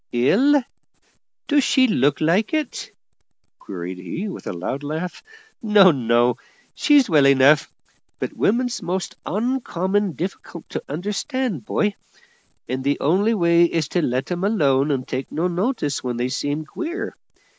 "Ill? do she look like it?" queried he with a loud laugh. "No, no, she's well enough; but women's most oncommon difficult to understand, boy; and the only way is to let 'em alone and take no notice when they seems queer.